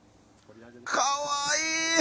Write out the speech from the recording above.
かわいい！